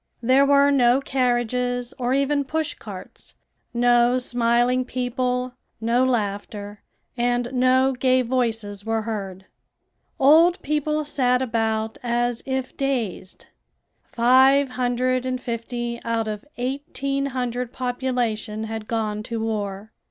There were no carriages or even push carts; no smiling people, no laughter, and no gay voices were heard. Old people sat about as if dazed. Five hundred and fifty out of eighteen hundred population had gone to war."